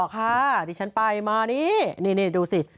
ค่ะดิฉันไปมานี่นี่ดูสิ